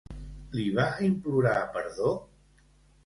Li va implorar perdó?